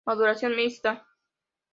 Maduración mixta.